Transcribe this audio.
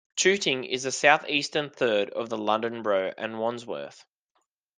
Tooting is the south-eastern third of the London Borough of Wandsworth.